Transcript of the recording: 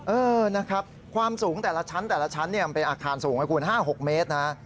เออนะครับความสูงแต่ละชั้นเป็นอาคารสูงให้คุณ๕๖เมตรนะฮะ